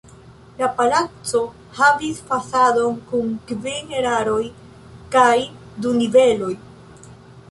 La palaco havis fasadon kun kvin eroj kaj du niveloj.